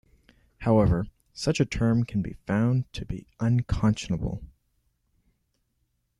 However, such a term can be found to be unconscionable.